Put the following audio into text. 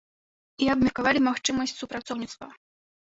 І абмеркавалі магчымасць супрацоўніцтва.